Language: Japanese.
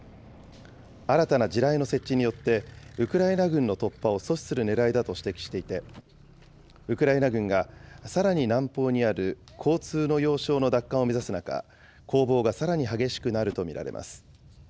新たな地雷の設置によって、ウクライナ軍の突破を阻止するねらいだと指摘していて、ウクライナ軍がさらに南方にある交通の要衝の奪還を目指す中、攻防がさらに激しくなると見られます。